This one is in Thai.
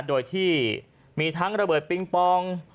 โดยที่มีทั้งระเบิดปิงปอง